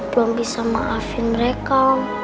belom bisa maafin mereka